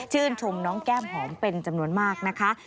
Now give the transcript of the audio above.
ชมน้องแก้มหอมเป็นจำนวนมากนะคะ